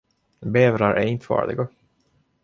Bävrar är inte farliga.